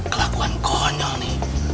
kelakuan konyol nih